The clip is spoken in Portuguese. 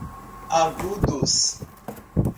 Agudos